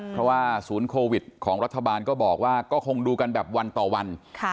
เพราะว่าศูนย์โควิดของรัฐบาลก็บอกว่าก็คงดูกันแบบวันต่อวัน